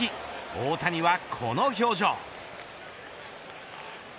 大谷はこの表情。